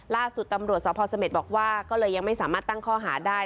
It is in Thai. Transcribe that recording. ล่าสุดตำรวจสพเสม็ดบอกว่าก็เลยยังไม่สามารถตั้งข้อหาได้